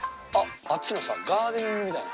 あっちのガーデニングみたいな。